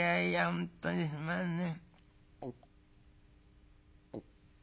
本当にすまんね」。